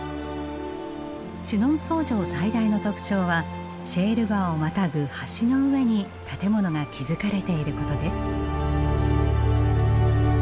シュノンソー城最大の特徴はシェール川をまたぐ橋の上に建物が築かれていることです。